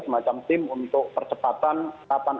semacam tim untuk percepatan